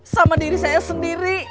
sama diri saya sendiri